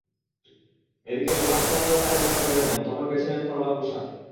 এদিকে সমাজসেবামূলক কাজে যখন বের হন, তখন বেছে নেন ফরমাল পোশাক।